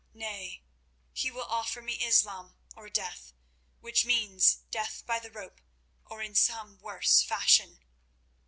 Nay, he will offer me Islam, or death, which means—death by the rope—or in some worse fashion."